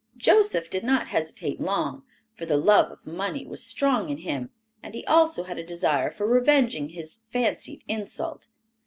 Joseph did not hesitate long, for the love of money was strong in him, and he also had a desire for revenging his fancied insult.